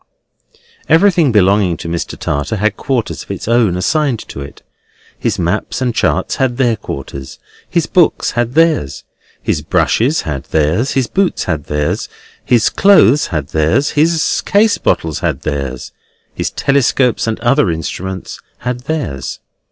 Everything belonging to Mr. Tartar had quarters of its own assigned to it: his maps and charts had their quarters; his books had theirs; his brushes had theirs; his boots had theirs; his clothes had theirs; his case bottles had theirs; his telescopes and other instruments had theirs.